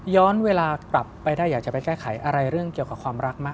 เวลากลับไปได้อยากจะไปแก้ไขอะไรเรื่องเกี่ยวกับความรักมาก